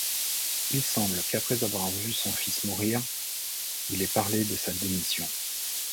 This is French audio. Il semble qu'après avoir vu son fils mourir, il ait parlé de sa démission.